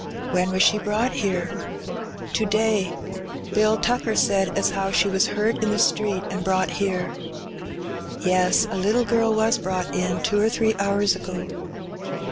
"When was she brought here?" "To day. Bill Tucker said as 'ow she was hurt in the street an' brought here." "Yes, a little girl was brought in two or three hours ago."